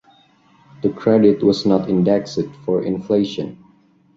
The credit was not indexed for inflation.